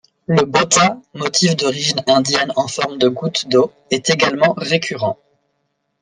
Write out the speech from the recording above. Le botha, motif d'origine indienne en forme de goutte d'eau, est également récurrent.